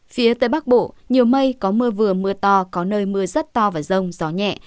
phía tây bắc bộ nhiều mây có mưa vừa mưa to có nơi mưa rất to và rông gió nhẹ